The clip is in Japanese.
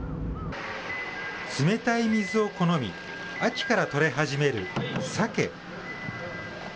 冷たい水を好み、秋から取れ始めるサケ。